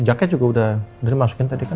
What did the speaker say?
ini juga udah drem masukin tadi kan